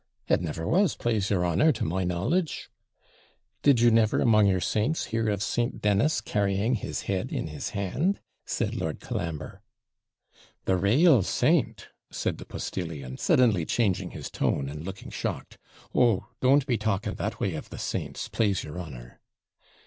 'It never was, plase your honour, to my knowledge.' 'Did you never, among your saints, hear of St. Dennis carrying his head in his hand?' said Colambre. 'The RAEL saint!' said the postillion, suddenly changing his tone, and looking shocked. 'Oh, don't be talking that way of the saints, plase your honour.'